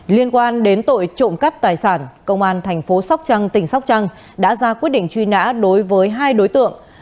liên quan đến tội trộm cắp tài sản công an thành phố sóc trăng tỉnh sóc trăng đã ra quyết định truy nã đối với hai đối tượng